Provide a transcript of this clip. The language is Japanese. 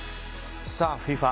ＦＩＦＡ